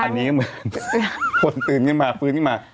อันนี้เหมือนคนตื่นมาฟื้นมา